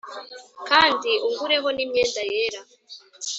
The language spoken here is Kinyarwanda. kandi ungureho n’imyenda yera